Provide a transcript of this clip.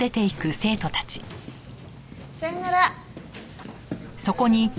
さようなら。